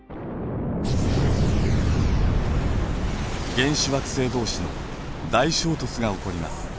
原始惑星同士の大衝突が起こります。